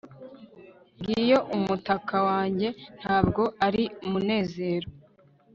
ngiyo umutaka wanjye, ntabwo ari munezero